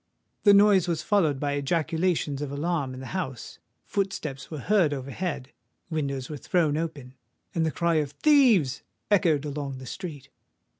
The noise was followed by ejaculations of alarm in the house; footsteps were heard overhead; windows were thrown open—and the cry of "Thieves!" echoed along the street.